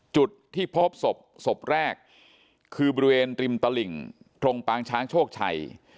จุดที่พบศพศพแรกคือบริเวณริมตลิ่งตรงปางช้างโชคชัย